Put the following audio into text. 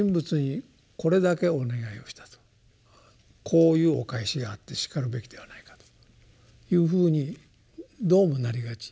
こういうお返しがあってしかるべきではないかというふうにどうもなりがち。